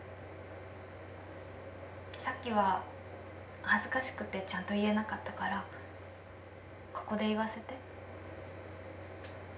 ・さっきは恥ずかしくてちゃんと言えなかったからここで言わせて。